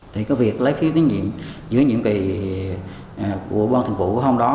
thì có việc lấy phiếu tiến nhiệm giữa nhiệm kỳ của bộ thượng bộ hôm đó